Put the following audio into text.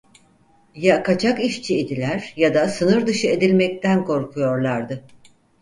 Ya kaçak işçi idiler ya da sınır dışı edilmekten korkuyorlardı.